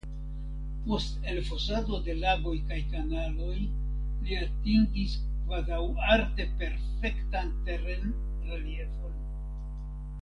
Post elfosado de lagoj kaj kanaloj li atingis kvazaŭ arte perfektan terenreliefon.